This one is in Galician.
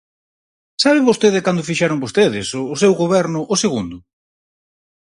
¿Sabe vostede cando fixeron vostedes, o seu goberno, o segundo?